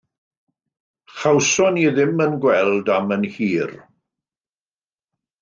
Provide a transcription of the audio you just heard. Chawsom ni ddim ein gweld am yn hir.